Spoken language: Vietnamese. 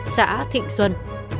xã thịnh xuân